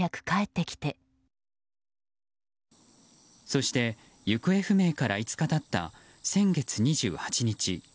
そして、行方不明から５日経った先月２８日